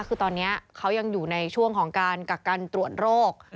คือตอนนี้เขายังอยู่ในช่วงของการกักกันตรวจโรค